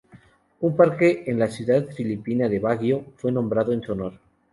Un parque en la ciudad filipina de Baguio, fue nombrado en su honor.